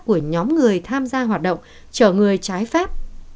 của nhóm người tham gia hoạt động chở người trái phép